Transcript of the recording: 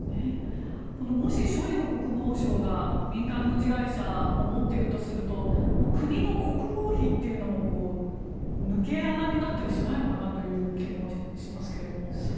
もしショイグ国防相が民間軍事会社を持っているとすると国の国防費というのも抜け穴になったりしないのかなという気もしますけれども。